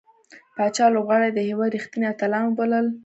پاچا لوبغاړي د هيواد رښتينې اتلان وبلل .